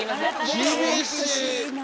厳しい！